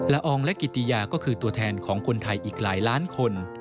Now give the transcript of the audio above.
อองและกิติยาก็คือตัวแทนของคนไทยอีกหลายล้านคน